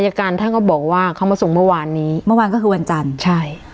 การท่านก็บอกว่าเขามาส่งเมื่อวานนี้เมื่อวานก็คือวันจันทร์ใช่